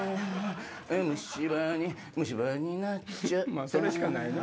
まぁそれしかないな。